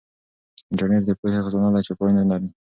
انټرنیټ د پوهې خزانه ده چې پای نه لري.